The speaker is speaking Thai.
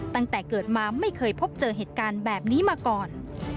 ตั้งแต่เกิดมาไม่เคยพบเจอเหตุการณ์แบบนี้มาก่อน